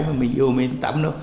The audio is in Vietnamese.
mà mình yêu mến tắm đâu